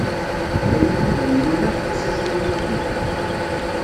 Ayen akk i d am-n-uriɣ efk-as azal i yuklal.